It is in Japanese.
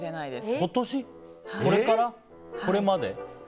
これから、これまで？